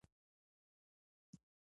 که خلاقیت وي نو نوی شی نه پټیږي.